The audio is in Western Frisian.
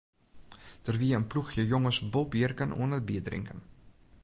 Der wie in ploechje jonges bolbjirken oan it bierdrinken.